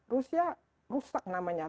rusia rusak namanya